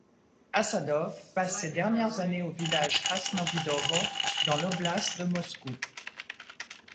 Assadov passe ses dernières années au village Krasnovidovo, dans l'oblast de Moscou.